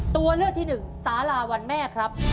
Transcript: ตัวเลือกที่หนึ่งสาราวันแม่ครับ